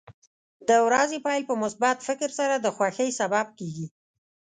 د ورځې پیل په مثبت فکر سره د خوښۍ سبب کېږي.